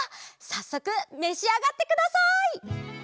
さっそくめしあがってください。